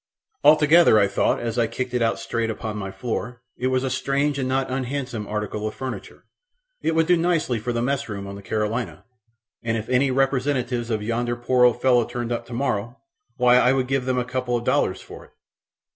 Altogether, I thought as I kicked it out straight upon my floor, it was a strange and not unhandsome article of furniture it would do nicely for the mess room on the Carolina, and if any representatives of yonder poor old fellow turned up tomorrow, why, I would give them a couple of dollars for it.